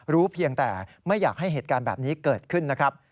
เพียงแต่ไม่อยากให้เหตุการณ์แบบนี้เกิดขึ้นนะครับ